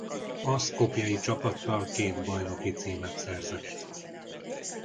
A szkopjei csapattal két bajnoki címet szerzett.